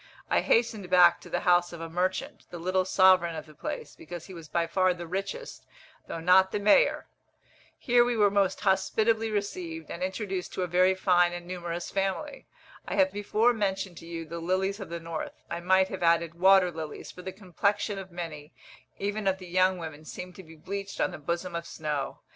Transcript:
I hastened back to the house of a merchant, the little sovereign of the place, because he was by far the richest, though not the mayor. Here we were most hospitably received, and introduced to a very fine and numerous family. I have before mentioned to you the lilies of the north, I might have added, water lilies, for the complexion of many, even of the young women, seem to be bleached on the bosom of snow.